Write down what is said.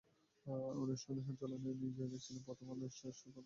অনুষ্ঠান সঞ্চালনায় ছিলেন প্রথম আলো ট্রাস্টের প্রধান পরিচালন কর্মকর্তা আজিজা আহমেদ।